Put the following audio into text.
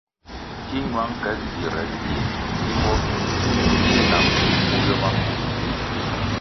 Ki ñwang ke tsire ngie simbo yih na mbvul vu ywe maku ri si.